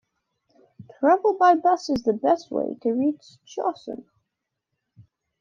Travel by bus is the best way to reach Chashan.